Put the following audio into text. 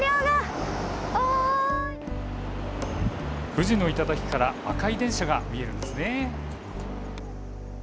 富士の頂から赤い電車が見えるんですね。